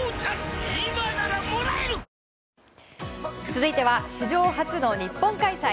続いては史上初の日本開催